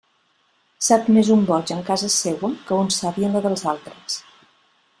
Sap més un boig en casa seua que un savi en la dels altres.